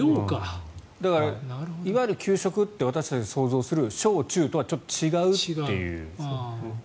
だから、いわゆる給食って私たちが想像する小中とはちょっと違うという。